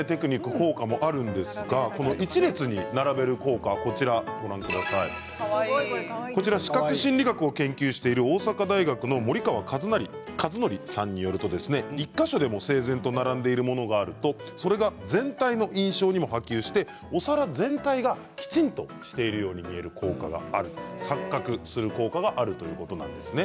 この１列に並べる効果視覚心理学を研究している大阪大学の森川和則さんによると１か所でも整然と並んでいるものがあると、それが全体の印象にも波及してお皿全体がきちんとしているように見える効果がある錯覚する効果があるということなんですね。